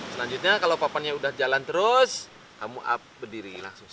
selanjutnya kalau papannya sudah jalan terus kamu up berdiri langsung